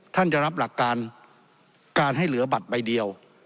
จะรับหลักการการให้เหลือบัตรใบเดียว